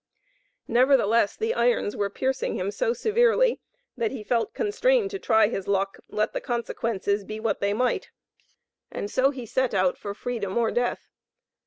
Nevertheless the irons were piercing him so severely, that he felt constrained to try his luck, let the consequences be what they might, and so he set out for freedom or death.